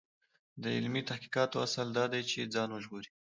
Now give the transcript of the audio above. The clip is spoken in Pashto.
د علمي تحقیقاتو اصل دا دی چې ځان وژغوري.